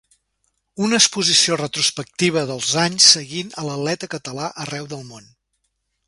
Una exposició retrospectiva dels anys seguint a l'atleta català arreu del món.